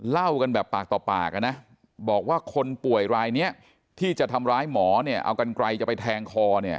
เล่ากันแบบปากต่อปากนะบอกว่าคนป่วยรายนี้ที่จะทำร้ายหมอเนี่ยเอากันไกลจะไปแทงคอเนี่ย